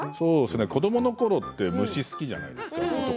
子どものころは虫が好きじゃないですか。